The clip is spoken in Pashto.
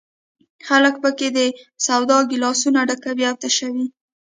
خلک په کې د سودا ګیلاسونه ډکوي او تشوي.